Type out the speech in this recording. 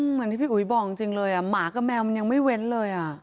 เหมือนที่พี่อุ๋ยบอกจริงเลยหมากับแมวมันยังไม่เว้นเลย